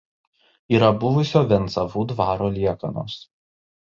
Yra buvusio Vencavų dvaro liekanos.